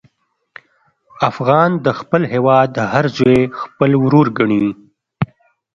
افغان د خپل هېواد هر زوی خپل ورور ګڼي.